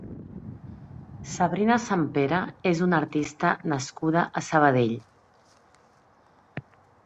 Sabrina Santpere és una artista nascuda a Sabadell.